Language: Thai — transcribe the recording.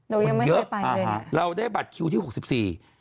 ยังไม่เยอะไปเลยฮะเราได้บัตรคิวที่หกสิบสี่